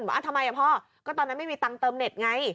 ว่าทำไมพ่อก็ตอนนั้นไม่มีตังค์เติมเน็ตไง